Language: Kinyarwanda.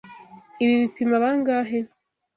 Ibi bipima bangahe?